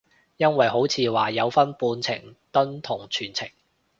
因為好似話有分半程蹲同全程